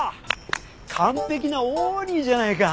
完璧なオーリーじゃないか！